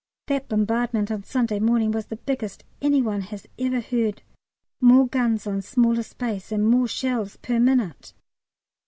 That bombardment on Sunday morning was the biggest any one has ever heard, more guns on smaller space, and more shells per minute.